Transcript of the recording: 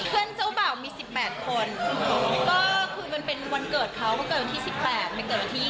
เจ้าบ่าวมี๑๘คนก็คือมันเป็นวันเกิดเขาก็เกิดวันที่๑๘มันเกิดวันที่๒